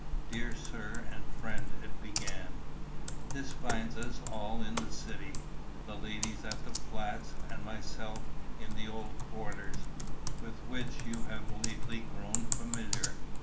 "DEAR SIR AND FRIEND" it began "This finds us all in the city, the ladies at the flats, and myself in the old quarters, with which you have lately grown familiar.